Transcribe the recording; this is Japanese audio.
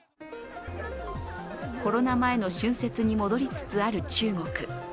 コロナ前の春節に戻りつつある中国。